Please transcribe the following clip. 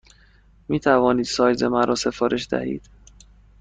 می توانید سایز مرا سفارش دهید؟